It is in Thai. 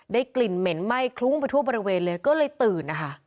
กลิ่นเหม็นไหม้คลุ้งไปทั่วบริเวณเลยก็เลยตื่นนะคะ